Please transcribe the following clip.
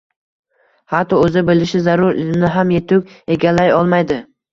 hatto o‘zi bilishi zarur ilmni ham yetuk egallay olmaydi.